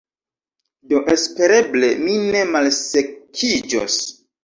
Do espereble mi ne malsekiĝos